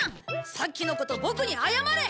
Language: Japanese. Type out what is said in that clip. さっきのことボクに謝れ！